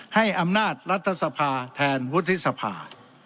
ให้อำนาจรัฐสภาแทนวุฒิสภา